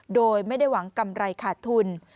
โดยไม่ได้หวังกำไรขาดทุน